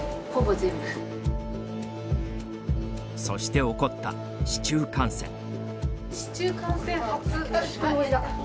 そして、起こった市中感染。